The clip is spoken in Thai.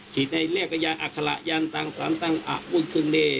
ขีดให้เรียกก็ยังอัคละยันตังสันตังอะอุ่นคึงเน่